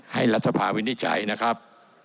รัฐสภาวินิจฉัยนะครับ